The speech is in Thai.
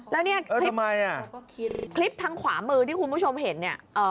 แล้วเนี่ยคลิปทางขวามือที่คุณผู้ชมเห็นเนี่ย